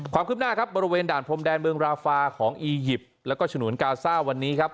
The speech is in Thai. ความคืบหน้าครับบริเวณด่านพรมแดนเมืองราฟาของอียิปต์แล้วก็ฉนวนกาซ่าวันนี้ครับ